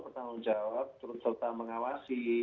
bertanggung jawab turut serta mengawasi